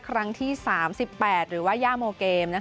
ครั้งที่๓๘หรือว่าย่าโมเกม